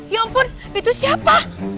ya ampun itu siapa